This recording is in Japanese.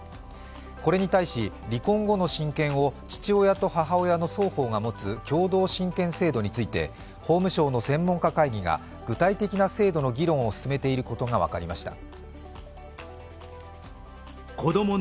これに対し、離婚後の親権を父親と母親の双方が持つ共同親権制度について法務省の専門家会議が具体的な制度の議論を進めていることが分かりました。